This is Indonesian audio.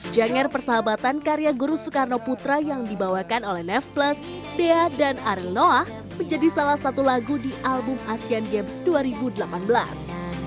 janger persahabatan karya guru soekarno putra yang dibawakan oleh nef plus dea dan arenoa menjadi salah satu lagu di album asean games dua ribu delapan belas